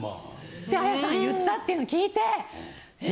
って彩さん言ったっていうの聞いてえ